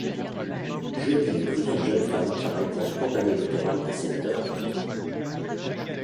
Une jolie et brillante jeune femme travaille pour la campagne électorale d'un sénateur américain.